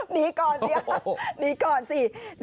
หนีก่อนสิหนีก่อนสิ